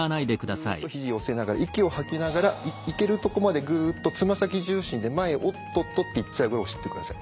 グッとひじ寄せながら息を吐きながらいけるところまでグッとつま先重心で前おっとっとっていっちゃうぐらい押してください。